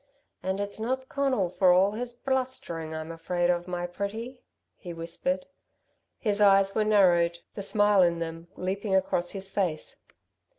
"And it's not Conal, for all his blustering, I'm afraid of, my pretty," he whispered. His eyes were narrowed, the smile in them leaping across his face.